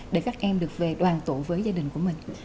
để các em được về đoàn tụ với gia đình của mình